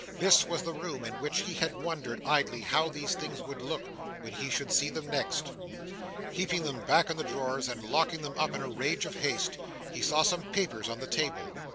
This was the room in which he had wondered, idly, how these things would look when he should see them next! Heaping them back into the drawers, and locking them up in a rage of haste, he saw some papers on the table.